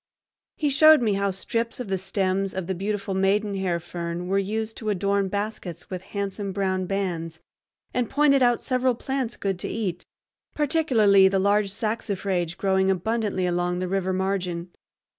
He showed me how strips of the stems of the beautiful maidenhair fern were used to adorn baskets with handsome brown bands, and pointed out several plants good to eat, particularly the large saxifrage growing abundantly along the river margin.